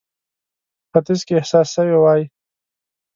په ختیځ کې احساس سوې وای.